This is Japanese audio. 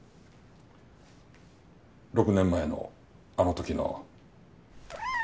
６年前のあの時の。